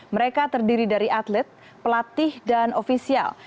mereka terdiri dari atlet pelatih dan ofisial